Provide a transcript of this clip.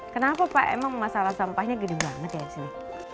kenapa pak emang masalah sampahnya gede banget ya disini